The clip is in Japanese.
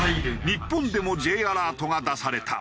日本でもＪアラートが出された。